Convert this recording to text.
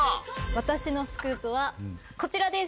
私のスクープはこちらです！